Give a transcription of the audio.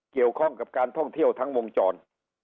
เกี่ยวข้องกับการท่องเที่ยวทั้งวงจร